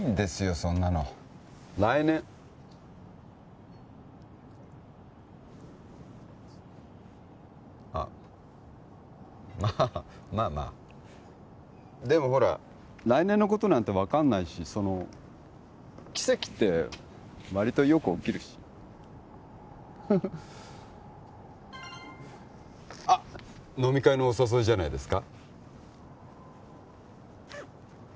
そんなの来年あっまあまあまあでもほら来年のことなんて分かんないしその奇跡って割とよく起きるしフフッあっ飲み会のお誘いじゃないですか？